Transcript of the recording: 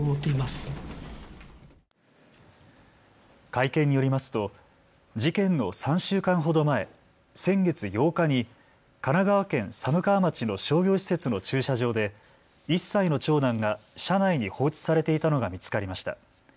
会見によりますと事件の３週間ほど前、先月８日に神奈川県寒川町の商業施設の駐車場で１歳の長男が車内に放置されていたのが見つかりました。